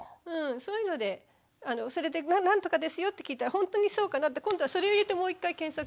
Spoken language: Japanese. そういうのでそれで「何とかですよ」って聞いたら本当にそうかなって今度はそれを入れてもう一回検索してみれば。